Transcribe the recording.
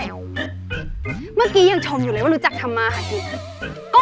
เมื่อกี้ยังชมอยู่เลยว่ารู้จักธรรมาหาที่นั้น